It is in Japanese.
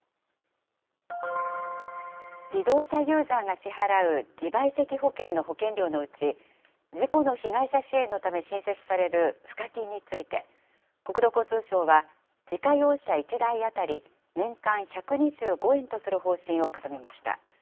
自動車ユーザーが支払う自賠責保険の保険料のうち、事故の被害者支援のため新設される賦課金について、国土交通省は、自家用車１台当たり年間１２５円とする方針を固めました。